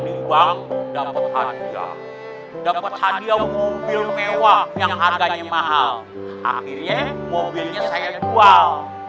di bank dapat harga dapat hadiah mobil mewah yang harganya mahal akhirnya mobilnya saya jual